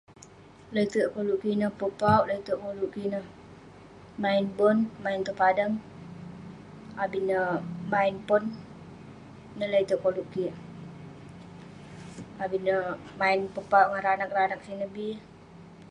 Le,'terk koluk kik ineh, pepauwk, le'terk koluk kik ineh..main bon, main tong padang, abin neh main pon..ineh le'terk koluk kik..abin neh main pepauwk ngan anag anag sineh bi